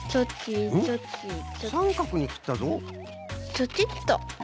チョキッと。